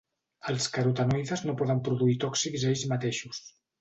Els carotenoides no poden produir tòxics ells mateixos.